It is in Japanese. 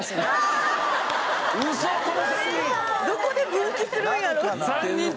どこで分岐するんやろ？